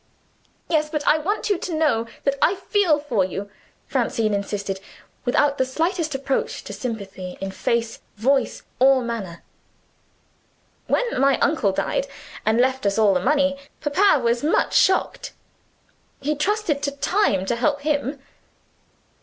"Yes, but I want you to know that I feel for you," Francine insisted, without the slightest approach to sympathy in face, voice, or manner. "When my uncle died, and left us all the money, papa was much shocked. He trusted to time to help him."